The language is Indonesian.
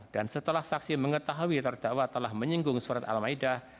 dan setelah saksi mengetahui terdakwa telah menyinggung surat al ma'idah